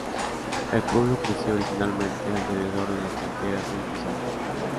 El pueblo creció originalmente alrededor de las canteras de pizarra.